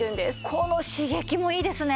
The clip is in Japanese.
この刺激もいいですね。